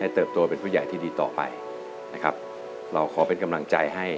เติบโตเป็นผู้ใหญ่ที่ดีต่อไปนะครับเราขอเป็นกำลังใจให้